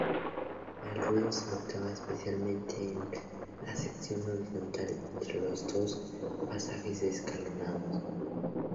El ruido se notaba especialmente en la sección horizontal entre los dos pasajes escalonados.